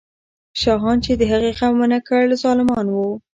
شاهان چې د هغې غم ونه کړ، ظالمان وو.